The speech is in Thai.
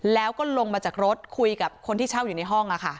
แล้วก็ลงมาจากรถคุยกับคนที่เช่าอยู่ในห้อง